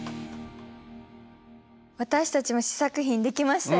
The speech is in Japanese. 私たちも試作品出来ましたよ。